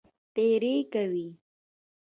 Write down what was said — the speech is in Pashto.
تېری کوي.